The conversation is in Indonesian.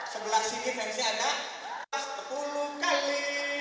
sebelah sini fensi ada sepuluh kali